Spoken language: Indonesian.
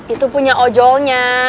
itu punya ojolnya